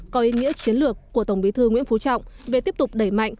có ý nghĩa chiến lược của tổng bí thư nguyễn phú trọng về tiếp tục đẩy mạnh